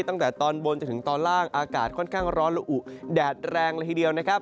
ตั้งแต่ตอนบนจนถึงตอนล่างอากาศค่อนข้างร้อนละอุแดดแรงเลยทีเดียวนะครับ